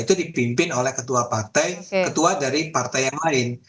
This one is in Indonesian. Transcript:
itu dipimpin oleh ketua partai ketua dari partai yang lain